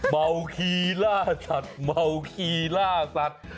เมาคีล่าสัตว์เมาขี่ล่าสัตว์